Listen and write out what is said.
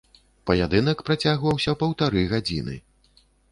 Паядынак працягваўся паўтары гадзіны.